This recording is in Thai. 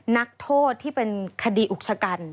นักโทษที่เป็นคดีอุกชะกัน